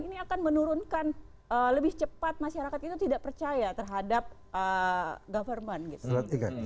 ini akan menurunkan lebih cepat masyarakat kita tidak percaya terhadap government gitu